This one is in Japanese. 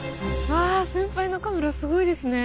わぁ先輩のカメラすごいですね。